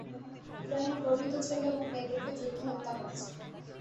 ইরানের গর্বিত ছেলে এবং মেয়েদেরকে, যুদ্ধ হত্যা করেছে।